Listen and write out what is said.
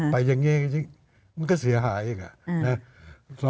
ไปอย่างนี้มันก็เสียหายอีก